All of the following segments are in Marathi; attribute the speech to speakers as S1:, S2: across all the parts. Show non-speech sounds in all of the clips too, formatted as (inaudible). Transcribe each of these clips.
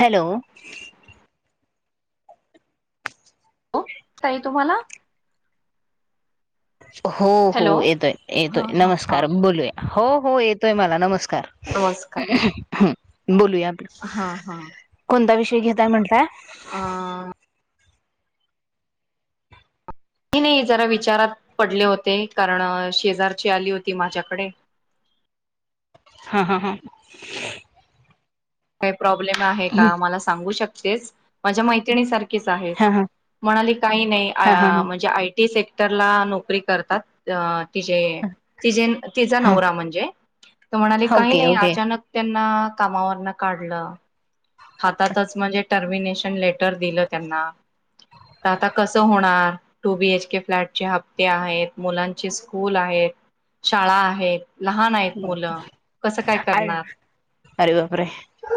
S1: हॅलो.
S2: हो काही तुम्हाला?
S1: हो, हो,
S2: हॅलो
S1: येतोय, येतोय,
S2: हा हा हा
S1: नमस्कार बोलूया. हो, हो, येतोय मला नमस्कार.
S2: नमस्कार
S1: कार. हा. बोलूया आपलं
S2: हा
S1: कोणता विषय? घेेतय म्हटलं.
S2: अं नाही, नाही, जरा विचारात पडले होते, कारण शेजारची आली होती माझ्याकडे.
S1: हा, हा, हा.
S2: ह. (unintelligible) प्रॉब्लेम आहे
S1: हा
S2: का? मला सांगू शकता. माझ्या मैत्रिणी सारखी च आहेस
S1: हा
S2: म्हणाली काही नाही
S1: हा हा
S2: म्हणजे आ.. आय टी सेक्टर त्याला नोकरी करतात अ तिजे, तिजे, तिचा
S1: हा
S2: नवरा म्हणजे, त म्हणाले
S1: हा
S2: काही
S1: ओके
S2: नहीं
S1: ओके
S2: अचानक त्यांनी आ कामावर ना काढलं हातातच म्हणजे टर्मिनेशन लेट र दिलं त्यांना, तर आता कस होणार? टू बी एच के फ्लॅटचे हप्ते आहेत, मुलांची स्कूल आहेत, शाळा आहेत लहान आहेत मुलं
S1: (unintelligible)
S2: कसं काय करणार
S1: अरे बापरे!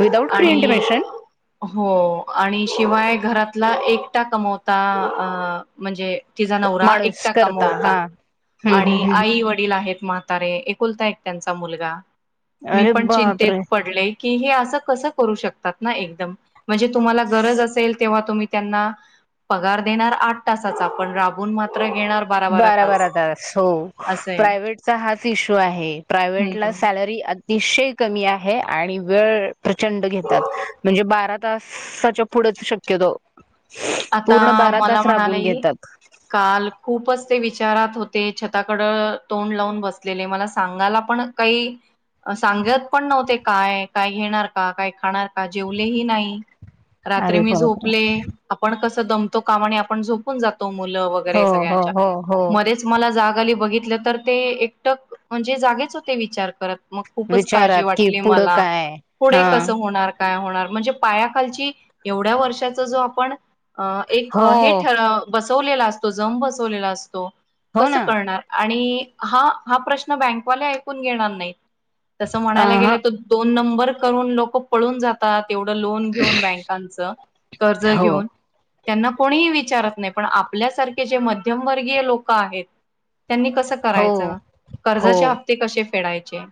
S1: विदाउट
S2: आणि
S1: प्रिइंटिमेशन
S2: हो आणि शिवाय घरातला एकटा कमवता अ म्हणजे तिचा नवरा
S1: माणूस
S2: एकटा
S1: करता हा
S2: कमवता
S1: हम्म हम्म
S2: आणि आई
S1: हम्म
S2: वडील आहेत. म्हातारे एकुलता एक त्यांचा मुलगा मी
S1: अरे
S2: पण चिंतेत
S1: बापरे
S2: पडले की हे असं कसं करू शक तात ना एकदम म्हणजे तुम्हाला गरज असेल तेव्हा तुम्ही त्यांना पगार देणार आठ तसाचा पण राबून मात
S1: बारा, बार हो
S2: असंय
S1: प्रायव्टचा, हाच इश्यू आहे प्रायव्हेटला
S2: हम्म
S1: सॅलरी अतिशय कमी आहे आणि वेळ प्रचंड घेतात, म्हणजे बारा तासाच्या पुढंच शक्यतो
S2: आता
S1: पूर्ण बारा
S2: मला
S1: तास राबून
S2: म्हणालेय,
S1: घेतात
S2: काल खूपच ते विचारात होते छताकड तोंड लावून बसलेले, मला सांगायला पण काही सांगत पण नव्हते काय, काय घेणार का काय खाणार, का जेवलेही नाही. रात्री
S1: अरे
S2: मी
S1: बापरे
S2: झोपले आपण कसं दमतो काम आणि आपण झोपून जातो मुलं वगैरे
S1: हो हो
S2: सगळ्यांच्या
S1: हो हो
S2: मध्येच मला जाग आली बघित तर ते एकटक, म्हणजे जागेच होते विचार करत मग खूपच काळजी
S1: विचारात कि
S2: वाटली,
S1: पुढं
S2: मला
S1: काय
S2: पुढे
S1: हा
S2: कस होणार? काय होणार? म्हणजे पायाखालची एवढ्या वर्षाचा जो आपण अ एक
S1: हो
S2: हे ठर बसवलेला असतो जम बसवलेला असतो.
S1: हो
S2: कसं
S1: ना
S2: करणार? आणि हा हा प्रश्न बँकवाले ऐकून घेणार नाही तसं
S1: अ
S2: म्हणायला
S1: ह
S2: गेलं तर दोन नंबर करून लोकं पळून जातात तेवढं लोन घेऊन, बँकांचं कर्ज
S1: हो
S2: घेऊन त्यांना कोणीही विचारत नाही पण आपल्यासारखे जे मध्यमवर्गीय लोक आहेत. त्यांनी कसं
S1: हो
S2: करायचं?
S1: हो
S2: कर्जाचे हप्ते कशे फेडायचे.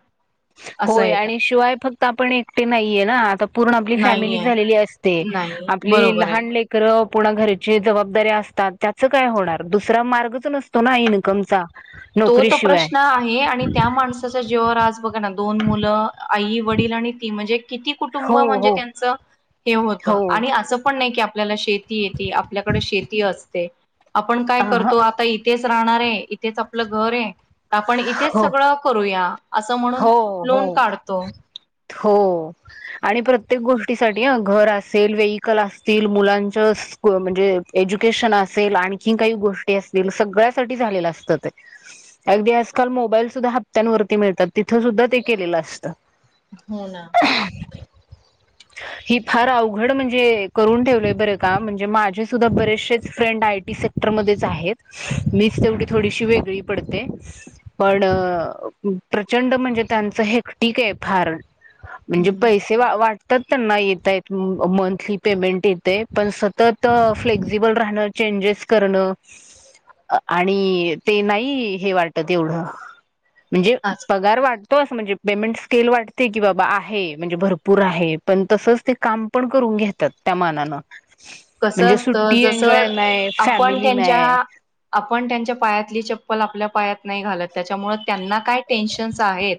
S2: असं
S1: होय
S2: येतं.
S1: आणि शिवाय फक्त आपण एकटे नाहीये, ना आता पूर्ण आपली फॅमिली
S2: नाहीये
S1: झालेली असते.
S2: नाही
S1: आपली
S2: बरोबर आहे.
S1: लहान लेक खर पुन्हा घराची जबाबदारी असतात. त्याच काय होणार, दुसरा मार्गच नसतो ना इन्कमचा
S2: तो तर
S1: नोकरीशिवाय
S2: प्रश्न आहे आणि त्या माणसाच्या जीवावर आज बघा घ दोन मुलं, आई वडील आणि ती म्हणजे, किती कुटुंब
S1: हो
S2: म्हणजे
S1: हो
S2: त्यांचं हे होतं,
S1: हो
S2: आणि असं पण नाही की आप आपल्याला शेती येते, आपल्याकडे शेती असते. आपण काय
S1: अ
S2: करतो. आता इथेच, राणार आहे. इथेच आपण आपलं घर ये, आपण इथेच
S1: हो
S2: सगळं करूया. असं म्हणून
S1: हो हो
S2: लोन काढतो.
S1: हो, आणि प्रत्येक गोष्टीसाठी ह घर असेल व्हेईकल असतील. मुलांच म्हणजे एज्युकेशन असेल आणखी काही गोष्टी असतील. सगळ्यासाठी झालेलं असतं ते, अगदी आजकाल मोबाईल सुद्धा हप्त्यांवरती मिळतात. तिथं सुद्धा ते केलेलं असतं.
S2: हो ना.
S1: ही फार अवघड म्हणजे करून ठेवलंय बर का, म्हणजे माझे सुद्धा बरेचसेच फ्रेंड आयटी सेक्टर मध्येच आहेत. मीच तेवढी थोडीशी वेगळी पडते पण, प्रचंड म्हणजे त्यांचं हे, ठीक आहे फार. म्हणजे
S2: हम्म
S1: पैसे वा वाट. सतत त्यांना येतय मंथली पेमेंट येते. पण सतत फ्लेक्झिबल राहणं चेंजेस करण आणि ते नाही हे वाटत एवढं. म्हणजे.
S2: आज
S1: (unintelligible) म्हणजे पेमेंट स्केल वाटते, की बाबा आहे म्हणजे भरपूर आहे. पण तसच ते काम पण करून घेतात त्या मनान,
S2: कस असत जस आपण
S1: फॅमिली
S2: त्यांच्या
S1: नाही
S2: आपण त्यांच्या पायात. चप्पल आपल्या पायात नाही घालत, त्याच्यामुळे त्यांना काय टेन्शन्स आहेत.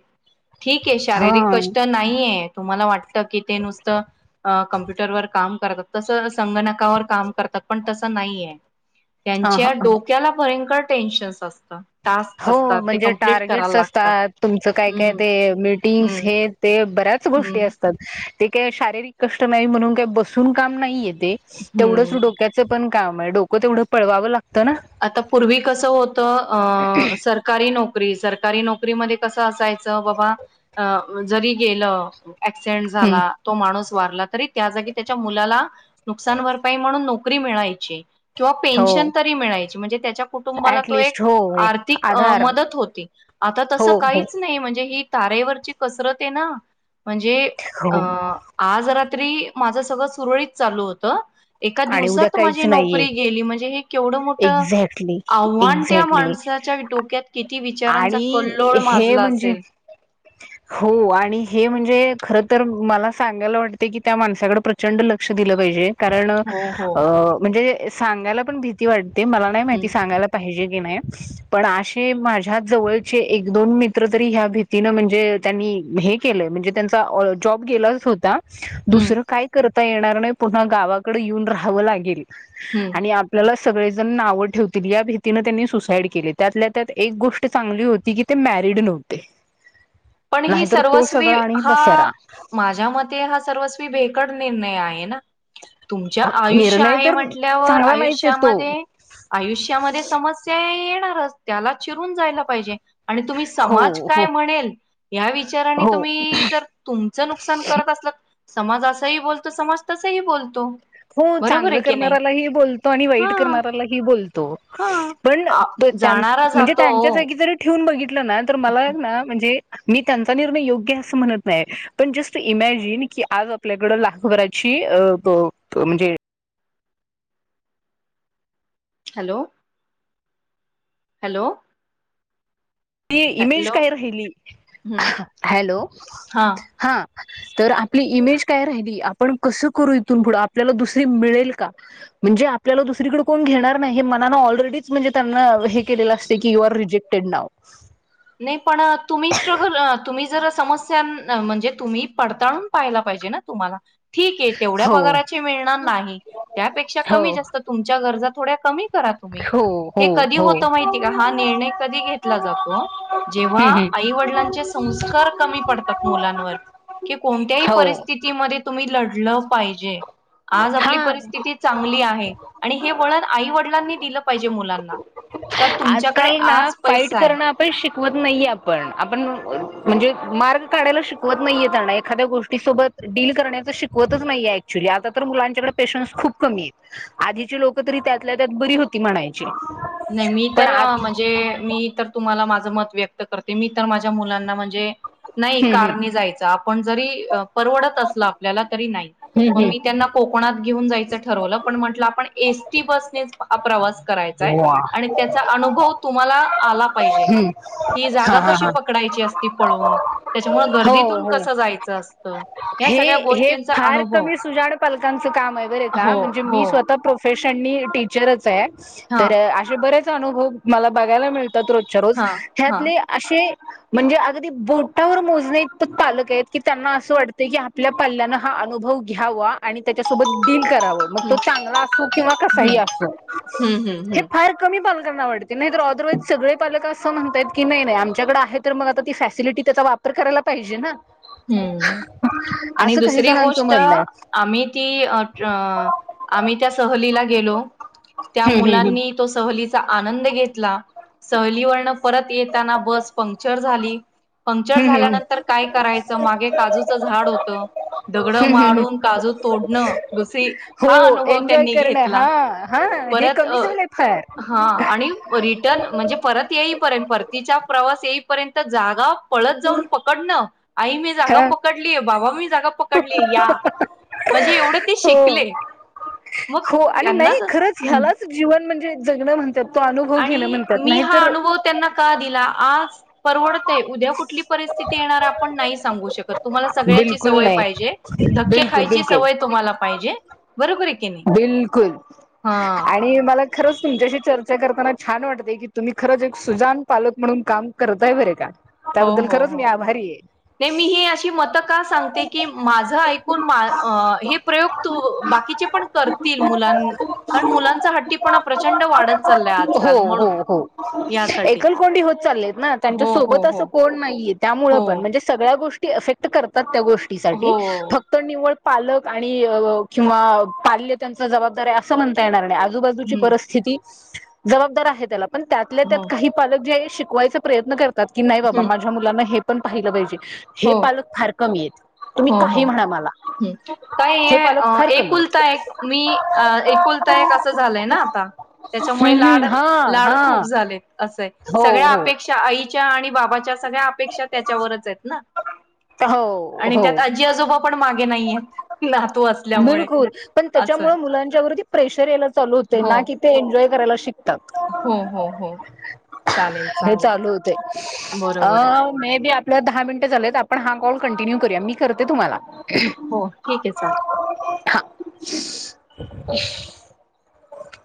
S2: ठीक आहे शारीरिक कष्ट
S1: हा
S2: नाहीये. तुम्हाला वाटत की ते नुसतं अ कॉम्प्युटर वर काम करतात तस असं. संगणकावर काम करतात, पण तसं नाहीये. त्यांच्या
S1: ह
S2: डोक्याला भयंकर. टेन्शश असत.
S1: हो म्हणजे टार्गेटस असतात तुमचं काय काय
S2: हम्म
S1: ते मिटिंग्स
S2: हम्म
S1: हे ते बऱ्याच गोष्टी
S2: हम्म
S1: असतात. ते काही शारीरिक कष्ट नाही, म्हणून काय बसून काम नाहीयेत. ते
S2: हम्म
S1: तेवढं डोक्याच पण. काम आहे डोकं 'तेवढं पळवावं लागत,
S2: आता पूर्वी कसं होतं. अ सरकारी नोक सरकारी नोकरीमध्ये कसं असायचं बाबा अ जरी गेलं अऍक्सिडेंट
S1: हं.
S2: झाला तो माणूस वारला तरी त्या जागी त्याच्या मुलाला नुकसान भरपाई म्हणून नोक नोकरी मिळायची किंवा
S1: हो
S2: पेन्शन तरी मिळायच म्हणजे त्याच्या कुटुंबाला तो
S1: ऍटलिस्ट
S2: एक
S1: हो
S2: आर्थिक
S1: आधार
S2: मदत होती आता
S1: हो
S2: तसं
S1: हो
S2: काहीच नाही म्हणजे ही तारेवरची कसरत आहे ना म्हणजे अ
S1: हो
S2: आजरा माझं सगळं सुरळी चालू होत एका
S1: आणि उद्या
S2: दिवसात
S1: काहीच
S2: माझी
S1: नाहीये
S2: नोकरी गेली म्हणजे हे केवढं मोठ
S1: एक्झॅक्टली
S2: आव्हान त्या
S1: एक्झॅक्टली
S2: माणसाच्या डोक्यात किती विचारांचा
S1: आणि
S2: कल्लोळ
S1: हे
S2: माजला
S1: म्हणजे
S2: असेल.
S1: हो आणि हे म्हणजे ते खर तर मला सांगायला वाटते की त्या माणसाकड प्रचंड लक्ष दिलं पाहिजे कारण अ
S2: हो हो.
S1: म्हणजे सांगायला पण भीती वाटते ते मला नाही माहिती
S2: हम्म
S1: सांगायला पाहिजे नाही पण अशी माझी या जवळचे एक दोन मित्र तरी ह्या भीतीन म्हणजे त्यांनी हे केलंय म्हणजे त्यांचा जॉब गेलाच होता
S2: हम्म
S1: दुसरं काय करत आता येणार नाही, पुन्हा गावाकडे येऊन राहावं लागेल.
S2: हम्म
S1: आणि आपल्यालाच. सगळे जण नाव ठेवतील, या भीतीने त्यांनी सुसाईड केले त्यातल्या-त्यात एक गोष्ट. चांगली होती की ते मॅरड नव्हते.
S2: पण ही
S1: नाहीतर तो
S2: सर्वस्वी,
S1: सगळा आणि
S2: हा
S1: पसारा
S2: माझ्या मते हा सर्वस्वी भेग कड निर्णय आहे ना. तुमच्या आयुष्य
S1: निर्णय
S2: आहे
S1: तर
S2: म्हटल्यावर,
S1: चांगला नाहीच आहे तो
S2: आयुष्यामध्ये आयुष्यामध्ये समस्या हे ये असणारच त्याला चिरून जायला पाहिजे. आणि तुम्ही
S1: हो
S2: समाज
S1: हो
S2: काय म्हणेल. या विचाराने
S1: हो
S2: तुम्ही जर तुमचं नुकसान करत असला समाज असाही बोलतो समाज तसाही बोलतो.
S1: हो
S2: बरोबर
S1: चांगलं
S2: आहे की नाही
S1: करणाऱ्याला ही बोलतो आणि वाईट
S2: हा.
S1: करणाऱ्याला ही बोलतो,
S2: हा
S1: पण
S2: आ
S1: ते त्यान
S2: जाणारा
S1: म्हणजे
S2: जातो
S1: त्यांच्या जागी जरी ठेवून बघित लं ना तर मला ना म्हणजे मी त्यांचा निर्णय योग्य असं म्हणत नाही, पण जस्ट इमॅजिन की आज आपल्याकडं लाखभराची अ ब त म्हणजे
S2: हॅलो! हॅलो!
S1: ती इमेज
S2: हॅलो
S1: काय राहिली,
S2: हम्म
S1: हॅलो! हा तर आपली इमेज काय राह्यली, आपण कसं करू इथुन पुढं आपल्याला दुसरी मिळेल का? म्हणजे आपल्याला दुसरीकडे कोण घेणार नाही हे मनानं ऑलरेडीच म्हणजे त्यांना हे केलेलं असतंय की यु आर रिजेक्टेड नाऊ. (inaudible)
S2: नाही पण तुम्ही स्ट्रगल अ तुम्ही जर समस्यां न म्हणजे तुम्ही पडताळून पाहायला पाहिजे ना तुम्हाला. ठीक आहे तेवढ्या
S1: हो
S2: पगाराची मिळणार नाही, त्यापेक्षा
S1: हो
S2: कमी जास्त तुमच्या गरजा थोड्या कमी करा तुम्ही,
S1: हो हो
S2: हे कधी
S1: हो
S2: होतं माहिती का हा निर्णय कधी घेतला जातो? जेव्हा
S1: हम्म हम्म
S2: आई वडीलांचे संस्कार कमी पडतात मुलांवर. कि कोणत्याही
S1: हो
S2: परिस्थितीमध्ये तुम्ही लढलं पाहिजे. आज आपली
S1: हा
S2: परिस्थिती चांगली आहे. आणि हे वळण आई -वडिलांनी दिलं पाहिजे मुलांना. का तुमच्याकडे
S1: आजकाल ना
S2: आज
S1: फाईट
S2: पैसा आहे
S1: करणं आपण शिकवत नाहीे आपण आपण म्हणजे मार्ग काढायला शिकवत नाहीये त्यांना, एखाद्या गोष्टी सोबत डील करण्याच शिकवतच नाहीये. ऍक्च्युली आता तर मुलांच्याकडे पेशन्स खूप कमी आहेत. आधीची लोक तरी त्यातल्या त्यात बरी होती म्हणायची.
S2: नाही मी
S1: पण
S2: तर, अ
S1: आज
S2: म्हणजे मी तर तुम्हाला माझ मत व्यक्त करते, मी तर माझ्या मुलांना म्हणजे नाही
S1: हम्म
S2: कारने
S1: हम्म
S2: जायच आप पण जरी अ परवडत असल आपल्याला तरी नाही मग
S1: हम्म
S2: मी त्यांना कोकणात घेऊन जायचं ठरवलं पण म्हटलं आपण एसटी बसने प्रवास करायचाय
S1: हम्म वा
S2: आणि त्याचा अनुभव तुम्हाला आला पाहिजे
S1: हम्म
S2: की
S1: हा
S2: जागा
S1: हा
S2: कशी
S1: हा
S2: पकडायची असती पळून त्याच्यामुळे
S1: हो
S2: गर्दीतून
S1: हो
S2: कस जायच असत.
S1: हे हे फार कमी सुजाण पालकांचं काम आहे बर का
S2: हो
S1: म्हणजे
S2: हो
S1: मी स्वतः प्रोफेस सनी टीचरच आहे.
S2: हा
S1: तर असे बरेच अनुभव मला बघायला मिळ त्यात रोजच्या रोज
S2: हा हा
S1: ह्यातले अशी म्हणजे अगदी बोटावर मोजणे ईतपत पालक आहेत की त्यांना असं वाटत की आपल्या पल्ल्यान हा अनुभव घ्यावा आणि त्याच्यासोबत डील करा आहो मग तो
S2: हम्म
S1: चांगला असो की किंवा कसाही असो
S2: हम्म हम्म हम्म
S1: हे
S2: हम्म
S1: फार कमी (unintelligible) (unintelligible) नाही तर ऑदरवाईज सगळे पालक अस असं म्हणतायत की नाही नाही आमच्याकड आहे तर, मग आता ती फॅसिलिटी त्याचा वापर करायला पाहिजे ना.
S2: हम्म. आणि
S1: असं काही
S2: दुसरी
S1: जणांचं
S2: गोष्ट
S1: म्हणणं आहे
S2: आम्ही ती (unintelligible) आम्ही त्या सहली ला गेलो. त्या
S1: हम्म हम्म
S2: मुलांनी तो सहलीचा आनंद घेतला. सहलीवरन परत येताना बस पंक्चर झाली. पंक्चर
S1: हम्म हम्म हम्म
S2: झाल्यानंतर काय करायचं? च मागे काजूच झाड होतं. दगड मारून काजू तोडण (unintelligible) हा
S1: हो
S2: अनुभव
S1: एन्जॉय
S2: त्यांनी
S1: करणं हा
S2: घेतला.
S1: हा हे
S2: परत
S1: कमी झालंय फार
S2: हं आणि रिटर्न म्हणजे परत येर्यंत परतीचा प्रवास पर्यंत जागा पळत जाऊन पकडणं आई मी जागा
S1: हा
S2: पकडलीय बाबा मी जागा पकडली या म्हणजे एवढं ते
S1: हो
S2: शिकले. मग
S1: हो आणि नाही
S2: त्यांनाच
S1: खरंच
S2: हम्म
S1: ह्यालाच जीवन पण म्हंजे जगण म्ह
S2: आणि मी हा अनुभव त्यांना का दिला आज परवडतय उद्या कुठली परिस्थिती येणार आपण नाही सांगू शकत. तुम्हाला सगळ्याची
S1: बिलकुल
S2: सवय
S1: नाही
S2: पाहिजे धक्के
S1: बिलकुल
S2: खायची
S1: बिलकुल
S2: सवय तुम्हाला पाहिजे. (unintelligible) नाही
S1: बिलकुल
S2: हा
S1: आणि मला खरंच तुमच्याशी चर्चा करताना छान वाटते की, तुम्ही खरंच एक सुजान पालक म्हणून काम करताय बरे का!
S2: हो
S1: त्याबद्दल
S2: हो
S1: खरंच
S2: हो
S1: मी आभारी आहे
S2: ते मी ही अशी मतं का सांगते, की माझं ऐकून मा अ हे प्रयोग तू बाकीचे पण करतील मुलां कारण मुलांचा हट्टीपणा प्रचंड वाढत चाललाय
S1: हो
S2: आजकाल म्हणून
S1: हो हो
S2: यासाठी
S1: एकलकोंडी होत चाललेत ना त्यांच्या
S2: हो हो
S1: सोबत असं
S2: हो
S1: कोण नाहीये त्यामुळे पण
S2: हो
S1: म्हणजे सगळ्या गोष्टी ते अफेक्ट करतात. त्या गोष्टीसाठी
S2: हो
S1: फक्त निव्वळ पालक आणि अ किंवा पाल्य त्यांचा जबाबदार आहे. असं म्हणता येणार नाही. आजूबाजूची
S2: हं,
S1: परिस्थिती जबाबदार आहे त्याला. पण त्यातल्या त्यात
S2: हो.
S1: काही पालक जे आाहेत. शिकवायचा प्रयत्न करत की नाही बाबा
S2: हं,
S1: माझ्या मुलां हे पण पाहिलं पाहिजे.
S2: हो,
S1: हे पालक फार कमी आहेत. तुम्ही
S2: हो,
S1: काही
S2: हो.
S1: म्हणा मला
S2: हं. काय
S1: हे
S2: आहे
S1: पालक
S2: अ,
S1: फार कमी आहेत.
S2: एकुलता मी एकुलता एक असं झालंय ना आता त्याच्यामुळे
S1: हम्म हम्म
S2: लाड
S1: हा
S2: लाड
S1: हा
S2: खूप झाले. असय
S1: हो
S2: सगळ्या
S1: हो
S2: अपेक्षा आई आणि बाबाच्या सगळ्या अपेक्षा त्याच्यावरच आहेत ना. आणि
S1: हो हो
S2: त्यात आजी आजोबा पण मा नाहीय आहेत.
S1: बिलकुल पण त्याच्यामुळे मुलांच्यावरती प्रेशर यायला चालू होते
S2: हो,
S1: ना कि ते एन्जॉय करायला शिक त
S2: हो, हो, हो. चालेल,
S1: हे
S2: चालेल.
S1: चालू होते अ
S2: बरोबर आहे.
S1: म आपल्याला दहा मिनिटं झालेत आपण हा कॉल कंटिन्यू मी करते तुम्हाला
S2: हो ठीक आहे चाल.
S1: ह